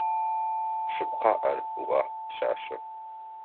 Шъыпкъэ ар,— ыӏуагъ пшъашъэм.